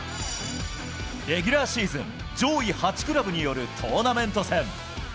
レギュラーシーズン上位８クラブによるトーナメント戦。